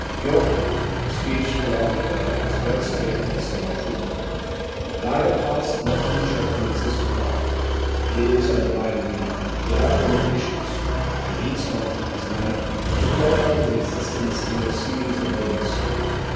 Bjorklund, the Swedish philosopher, has well stated the same truth: "Neither past nor future can exist to God; He lives undividedly, without limitations, and needs not, as man, to plot out his existence in a series of moments.